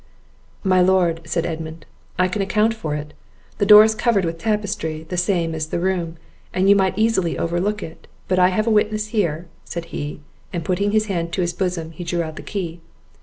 "My Lord," said Edmund, "I can account for it: the door is covered with tapestry, the same as the room, and you might easily overlook it; but I have a witness here," said he, and putting his hand into his bosom, he drew out the key.